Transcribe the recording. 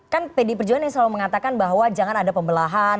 kan pdi perjuangan yang selalu mengatakan bahwa jangan ada pembelahan